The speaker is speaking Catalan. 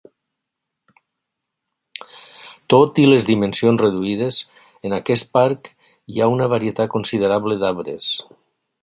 Tot i les dimensions reduïdes, en aquest parc hi ha una varietat considerable d'arbres.